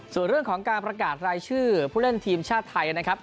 ส่วนเรื่องของการประกาศรายชื่อผู้เล่นทีมชาติไทยนะครับ